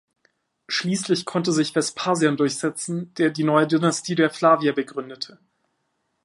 Schließlich konnte sich Vespasian durchsetzen, der die neue Dynastie der Flavier begründete.